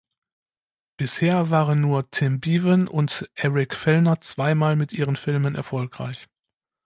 Bisher waren nur Tim Bevan und Eric Fellner zweimal mit ihren Filmen erfolgreich.